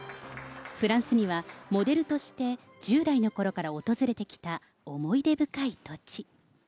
フランスには、モデルとして１０代のころから訪れてきた思い出深い土地。